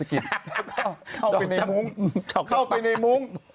เข้าไปในมุ้ง